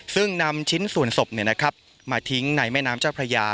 ซึ่งนำชิ้นส่วนศพมาทิ้งในแม่น้ำเจ้าพระยา